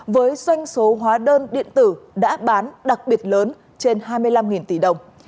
với doanh số hóa đơn điện tử đã bán đặc biệt lớn trên hai mươi năm tỷ đồng